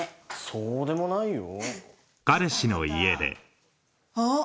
そうでもないよ。